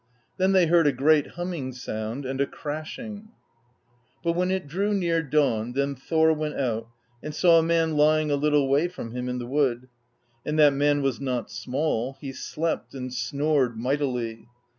Then they heard a great humming sound, and a crashing. "But when it drew near dawn, then Thor went out and saw a man lying a little way from him in the wood; and that man was not small ; he slept and snored mightily.